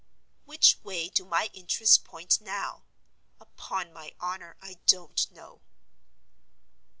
Which way do my interests point now? Upon my honor, I don't know.